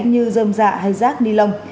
như dơm dạ hay rác ni lông